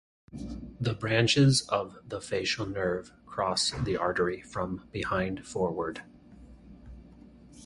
The branches of the facial nerve cross the artery from behind forward.